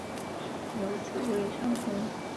有子魏朝琮。